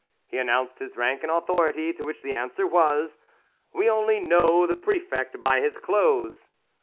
He announced his rank and authority, to which the answer was, "We only know the prefect by his clothes."